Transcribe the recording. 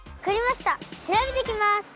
しらべてきます！